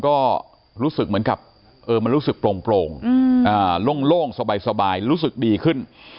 ก็รู้สึกเหมือนกับมันรู้สึกโปร่งโล่งสบายรู้สึกดีขึ้น